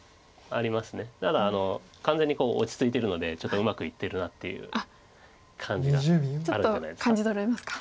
だから完全に落ち着いてるのでちょっとうまくいってるなっていう感じがあるんじゃないですか。